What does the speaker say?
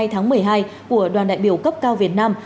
hai mươi tháng một mươi hai của đoàn đại biểu cấp cao việt nam